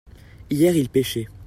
hier ils pêchaient.